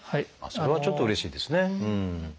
それはちょっとうれしいですね。